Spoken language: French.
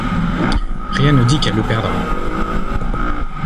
Rien ne dit qu'elle le perdra.